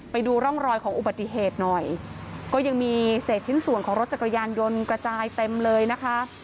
ไปดูร่องรอยของอุบัติเหตุหน่อยก็ยังมีเศษชิ้นส่วนของรถจักรยานยนต์กระจายเต็มเลยนะคะ